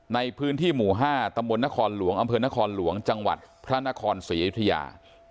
ในพื้นที่หมู่๕ตำบลนครหลวงอำเภอนครหลวงจังหวัดพระนครศรีอยุธยา